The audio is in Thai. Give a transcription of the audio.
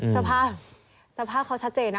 สภาพสภาพเขาชัดเจนนะ